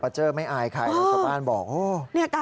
พอเจอไม่อายใครชาวบ้านบอก